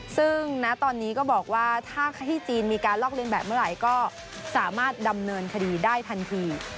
ซึ่งณตอนนี้ก็บอกว่าถ้าที่จีนมีการลอกเรียนแบบเมื่อไหร่ก็สามารถดำเนินคดีได้ทันที